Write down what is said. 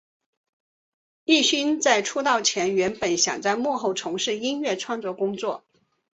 镒勋在出道前原本想在幕后从事音乐创作工作。